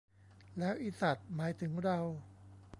แล้ว 'อีสัตว์' หมายถึงเรา